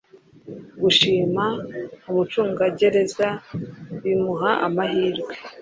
gushima umucungagereza bimuha amahirwe